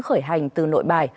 khởi hành từ nội bài